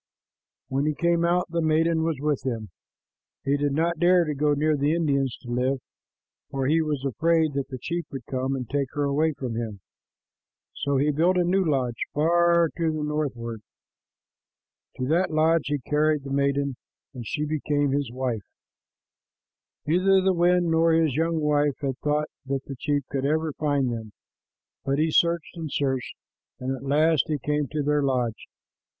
When he came out, the maiden was with him. He did not dare to go near the Indians to live, for he was afraid that the chief would come and take her away from him; so he built a new lodge far to the north ward. To that lodge he carried the maiden, and she became his wife. Neither the wind nor his young wife had thought that the chief could ever find them, but he searched and searched, and at last he came to their lodge.